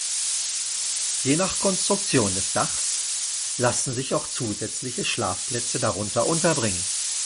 Je nach Konstruktion des Dachs lassen sich auch zusätzliche Schlafplätze darunter unterbringen.